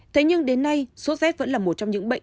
thế nhưng đến nay số z vẫn là một trong những bệnh